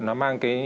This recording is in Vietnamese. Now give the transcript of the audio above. nó mang cái